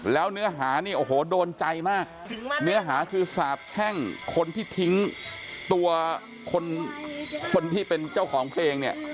แล้วเนื้อหาเนี่ยโอ้โหโดนใจมากเนื้อหาคือสาบแช่งคนที่ทิ้งตัวคนคนที่เป็นเจ้าของเพลงเนี่ย